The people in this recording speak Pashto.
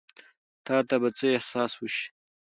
تا ته به څۀ احساس وشي ـ